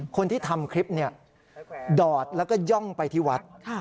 คนที่ทำคลิปดอดแล้วก็ย่องไปที่วัด